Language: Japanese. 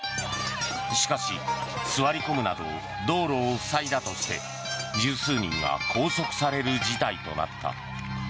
しかし、座り込むなど道路を塞いだとして十数人が拘束される事態となった。